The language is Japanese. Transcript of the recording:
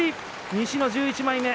西の１１枚目。